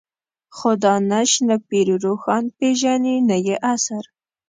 خو دانش نه پير روښان پېژني نه يې عصر.